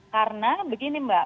karena begini mbak